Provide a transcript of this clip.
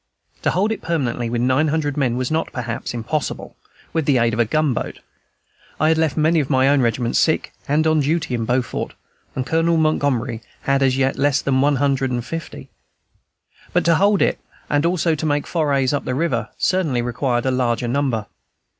To hold it permanently with nine hundred men was not, perhaps, impossible, with the aid of a gunboat (I had left many of my own regiment sick and on duty in Beaufort, and Colonel Montgomery had as yet less than one hundred and fifty); but to hold it, and also to make forays up the river, certainly required a larger number.